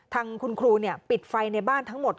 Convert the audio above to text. ทางคุณครูปิดไฟในบ้านทั้งหมด